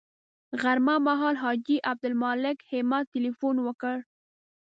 غرمه مهال حاجي عبدالمالک همت تیلفون وکړ.